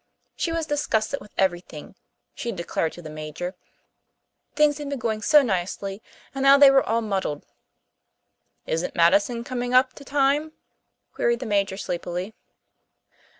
She was disgusted with everything, she declared to the Major. Things had been going so nicely, and now they were all muddled. "Isn't Madison coming up to time?" queried the Major sleepily.